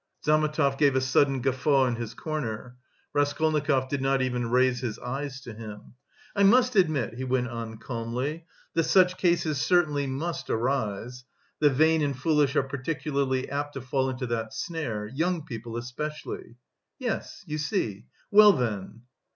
Zametov gave a sudden guffaw in his corner. Raskolnikov did not even raise his eyes to him. "I must admit," he went on calmly, "that such cases certainly must arise. The vain and foolish are particularly apt to fall into that snare; young people especially." "Yes, you see. Well then?"